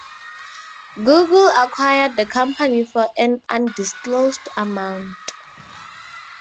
Google acquired the company for an undisclosed amount.